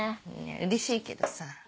うれしいけどさ。